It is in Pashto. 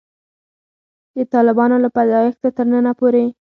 د طالبانو له پیدایښته تر ننه پورې.